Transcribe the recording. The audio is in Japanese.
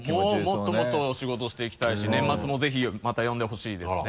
もうもっともっと仕事していきたいし年末もぜひまた呼んでほしいですね。